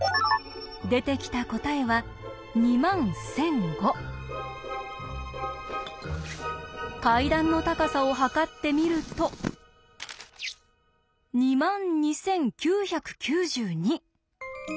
出てきた答えは階段の高さを測ってみると２万２９９２。